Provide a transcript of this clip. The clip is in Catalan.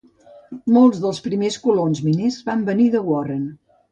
Molts dels primers colons miners van venir de Warren.